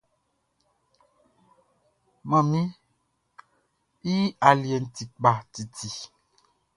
Manmi i aliɛʼn ti kpa titi.